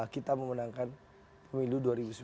kita memenangkan pemilu dua ribu sembilan belas dua ribu dua puluh